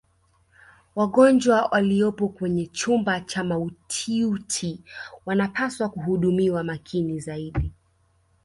wagonjwa waliyopo kwenye chumba cha mautiuti wanapaswa kuhudumiwa makini zaidi